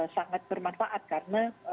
sangat bermanfaat karena